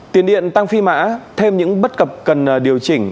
tiền điện tăng phi mã thêm những bất cập cần điều chỉnh